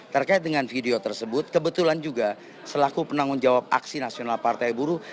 terkait dengan video tersebut kebetulan juga selaku penanggung jawab aksi nasional partai buruh